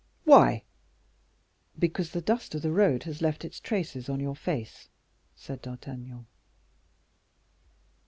"Why?" "Because the dust of the road has left its traces on your face," said D'Artagnan.